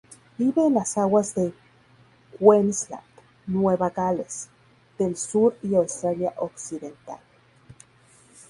Vive en las aguas de Queensland, Nueva Gales del Sur y Australia Occidental.